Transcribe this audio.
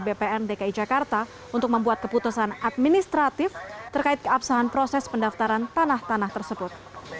bpn dki jakarta untuk membuat keputusan administratif terkait keabsahan proses pendaftaran tanah tanah tersebut